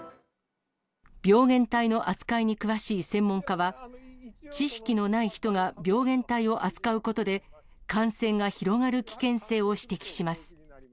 病原体の扱いに詳しい専門家は、知識のない人が病原体を扱うことで、感染が広がる危険性を指摘します。